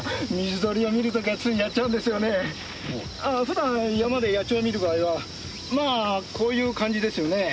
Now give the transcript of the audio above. ああ普段山で野鳥を見る場合はまあこういう感じですよね。